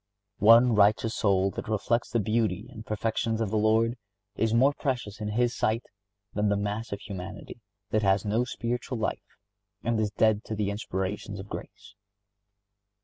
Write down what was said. One righteous soul that reflects the beauty and perfections of the Lord, is more precious in His sight than the mass of humanity that has no spiritual life, and is dead to the inspirations of grace.